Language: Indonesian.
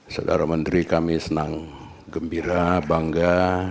saudara menteri kami senang gembira bangga